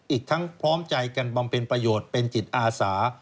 อีกทั้งพร้อมใจกันบำเพ็ญประโยชน์เป็นจิตอาสา